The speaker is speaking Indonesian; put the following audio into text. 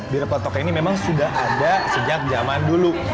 bir pletok ini memang sudah ada sejak zaman itu